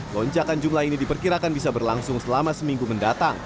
lonjakan jumlah ini diperkirakan bisa berlangsung selama seminggu mendatang